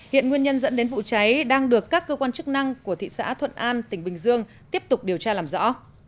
hiện nguyên nhân dẫn đến vụ cháy đang được các cơ quan chức năng của thị xã thuận an tỉnh bình dương tiếp tục điều tra làm rõ